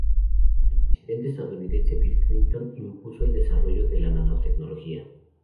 El presidente estadounidense Bill Clinton impulsó el desarrollo de la nanotecnología.